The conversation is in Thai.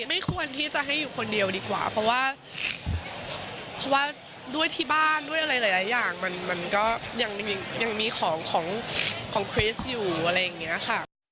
ไม่ควรที่จะให้อยู่คนเดียวดีกว่าเพราะว่าเพราะว่าด้วยที่บ้านด้วยอะไรหลายอย่างมันก็ยังมีของของคริสอยู่อะไรอย่างนี้ค่ะ